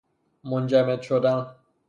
منجمد شدن